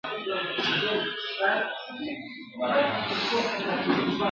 کتاب د انسان لپاره تر ټولو وفادار ملګری دی چي هېڅکله نه ستړي کيږي ..